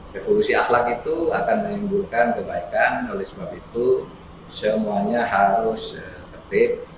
revolusi akhlak itu akan menimbulkan kebaikan oleh sebab itu semuanya harus tertib